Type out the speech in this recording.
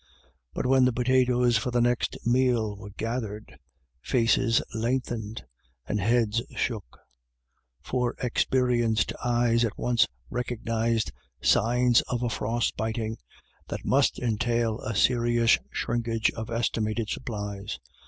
But when the potatoes for the next meal were gathered, faces lengthened and heads shook; for experienced eyes at once recognised signs of a "frost blighting" that must entail a serious shrinkage of estimated supplies.